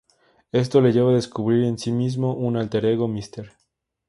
Esto le lleva a descubrir en sí mismo un alter ego, Mr.